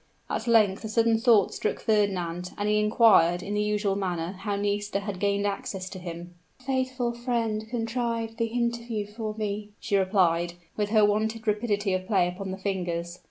At length a sudden thought struck Fernand, and he inquired, in the usual manner, how Nisida had gained access to him? "A faithful friend contrived the interview for me," she replied, with her wonted rapidity of play upon the fingers.